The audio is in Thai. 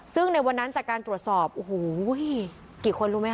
ซึ่งในวันนั้นจากการตรวจสอบโอ้โหกี่คนรู้ไหมค